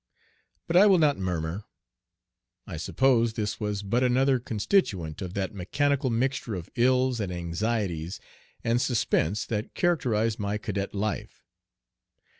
But I will not murmur. I suppose this was but another constituent of that mechanical mixture of ills and anxieties and suspense that characterized my cadet life.